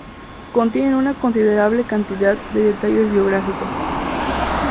Contienen una considerable cantidad de detalles biográficos.